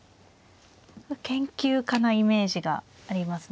研究家なイメージがありますね